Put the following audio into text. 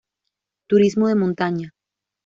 Turismo de montaña.